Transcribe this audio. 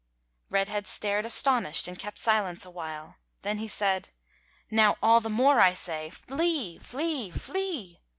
Redhead stared astonished, and kept silence awhile; then he said: "Now all the more I say, flee! flee! flee!